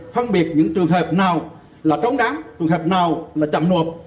phân biệt những trường hợp nào là trống đám trường hợp nào là chậm nộp